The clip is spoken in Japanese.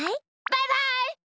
バイバイ！